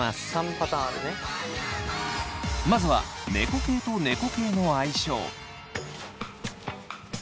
まずは猫系と猫系の相性。